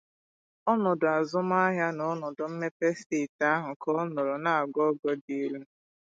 ọnọdụ azụmahịa na ọnọdụ mmepe steeti ahụ ka ọ nọrọ n'ogoogo dị elu.